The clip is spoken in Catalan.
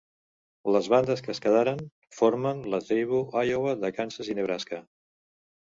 Les bandes que es quedaren formen la Tribu Iowa de Kansas i Nebraska.